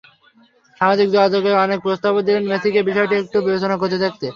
সামাজিক যোগাযোগমাধ্যমে অনেকে প্রস্তাবও দিলেন মেসিকে বিষয়টি একটু বিবেচনা করে দেখতে।